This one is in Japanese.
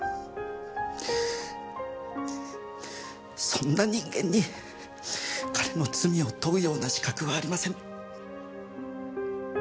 そんな人間に彼の罪を問うような資格はありません。